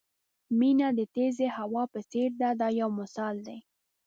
مینه د تېزې هوا په څېر ده دا یو مثال دی.